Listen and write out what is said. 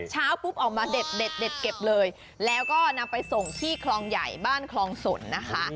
เช้าปุ๊บออกมาเด็ดเก็บเลยแล้วก็นำไปส่งที่คลองใหญ่บ้านคลองสนนะคะ